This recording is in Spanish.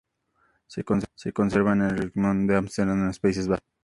Se conserva en el Rijksmuseum de Ámsterdam en los Países Bajos.